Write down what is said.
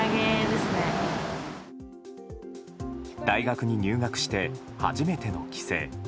大学に入学して初めての帰省。